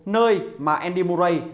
nơi mà andy murray